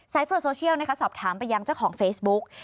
ตรวจโซเชียลสอบถามไปยังเจ้าของเฟซบุ๊ก